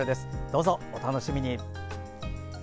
どうぞお楽しみに。